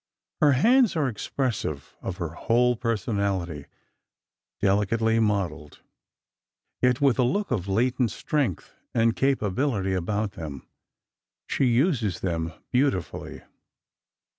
Her hands are expressive of her whole personality, delicately modelled, yet with a look of latent strength and capability about them. She uses them beautifully.